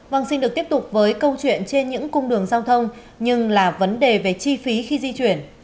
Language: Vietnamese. vâng xin được tiếp tục với câu chuyện trên những cung đường giao thông nhưng là vấn đề về chi phí khi di chuyển